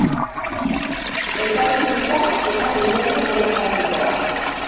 Elkarbizitza eta memoria demokratikoa.